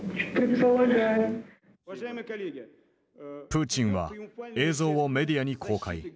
プーチンは映像をメディアに公開。